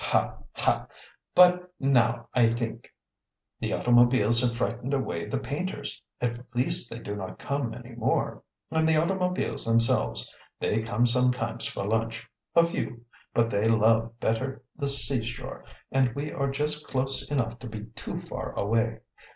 Ha, Ha! But now, I think, the automobiles have frightened away the painters; at least they do not come any more. And the automobiles themselves; they come sometimes for lunch, a few, but they love better the seashore, and we are just close enough to be too far away.